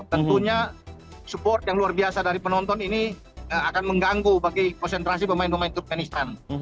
tentunya support yang luar biasa dari penonton ini akan mengganggu bagi konsentrasi pemain pemain turkmenistan